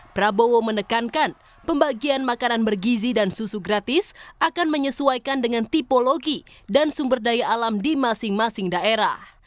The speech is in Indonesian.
prabowo menekankan pembagian makanan bergizi dan susu gratis akan menyesuaikan dengan tipologi dan sumber daya alam di masing masing daerah